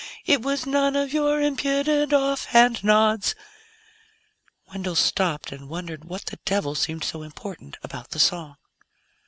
It was none of your impudent, off hand nods...._ Wendell stopped and wondered what the devil seemed so important about the song.